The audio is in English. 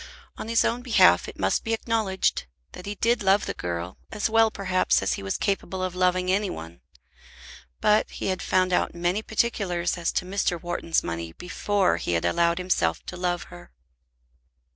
On his own behalf it must be acknowledged that he did love the girl, as well perhaps as he was capable of loving any one; but he had found out many particulars as to Mr. Wharton's money before he had allowed himself to love her.